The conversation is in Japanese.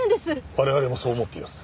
我々もそう思っています。